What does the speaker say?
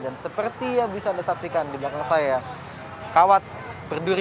dan seperti yang bisa anda saksikan di belakang saya kawat berduri